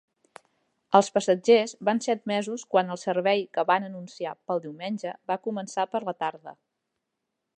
Els passatgers van ser admesos quan el servei que van anunciar pel diumenge va començar per la tarda.